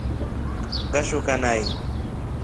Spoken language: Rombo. Ngashoka nai.